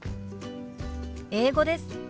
英語です。